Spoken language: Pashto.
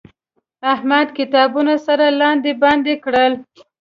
احمد کتابونه سره لاندې باندې کړل.